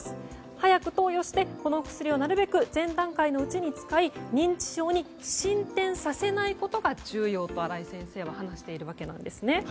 早く投与してこの薬をなるべく前段階のうちに使い認知症に進展させないことが重要だと新井先生は話しています。